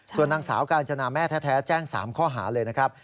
ส่วนนางสาวกาญจนาแม่แท้แจ้ง๓ข้อหาเลยนะครับ